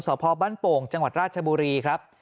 สพบ้านโป่งจังหวัดราชบุรีครับ